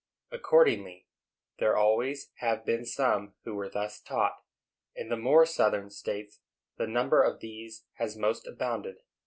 Accordingly, there always have been some who were thus taught. In the more southern states the number of these has most abounded.